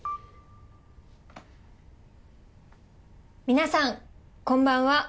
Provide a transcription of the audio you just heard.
皆さんこんばんは。